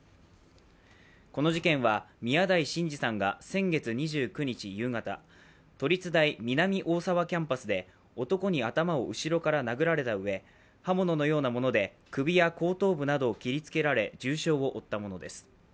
この事件は、宮台真司さんが先月２９日夕方、都立大・南大沢キャンパスで男に頭を後ろから殴られたうえ、刃物のようなもので首や後頭部などを切りつけられ重傷を負ったものです。